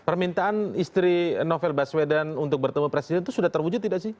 permintaan istri novel baswedan untuk bertemu presiden itu sudah terwujud tidak sih